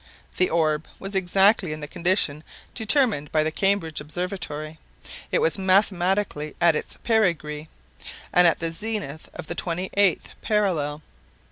The orb was exactly in the condition determined by the Cambridge Observatory. It was mathematically at its perigee, and at the zenith of the twenty eighth parallel.